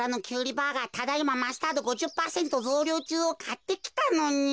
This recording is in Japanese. バーガー「ただいまマスタード５０パーセントぞうりょうちゅう」をかってきたのに。